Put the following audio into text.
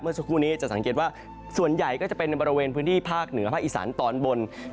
สักครู่นี้จะสังเกตว่าส่วนใหญ่ก็จะเป็นในบริเวณพื้นที่ภาคเหนือภาคอีสานตอนบน